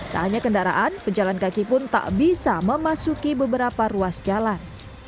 tak hanya kendaraan pejalan kaki pun tak bisa memasuki beberapa ruas jalan